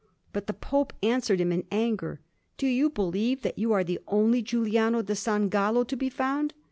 But the Pope answered him in anger, "Do you believe that you are the only Giuliano da San Gallo to be found?"